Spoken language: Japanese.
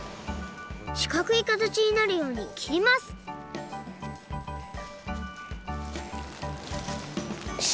しかくいかたちになるようにきりますよし。